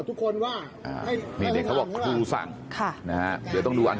คุออกโรงเรียนแน่นอนไม่ต้องห่วง